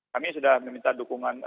kami sudah meminta dukungan